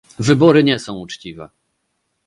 Wybory nie są uczciwe